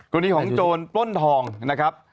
กรณีของโจรปล้นทองนะครับ